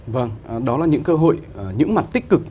vâng đó là những cơ hội những mặt tích cực